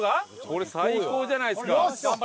それ最高じゃないですか。